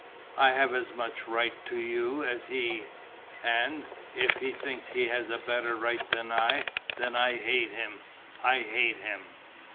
I have as much right to you as he; and, if he thinks he has a better right than I, then I hate him, I hate him!..."